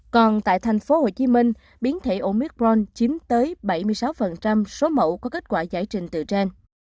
còn tại thành phố hồ chí minh biến thể omicron chiếm tới bảy mươi sáu số mẫu có kết quả giải trình từ trên